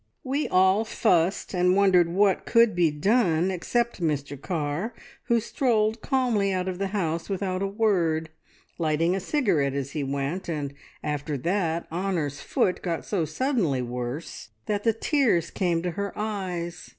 "We all fussed and wondered what could be done, except Mr Carr, who strolled calmly out of the house without a word, lighting a cigarette as he went, and after that Honor's foot got so suddenly worse that the tears came to her eyes.